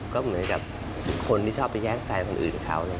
ก็เหมือนกับคนที่ชอบไปแย่งแฟนคนอื่นเขา